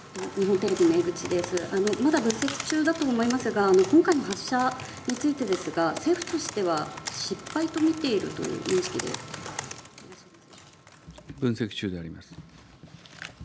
まだ分析中だと思いますが、今回の発射についてですが、政府としては失敗と見ているという認識でよろしいですか。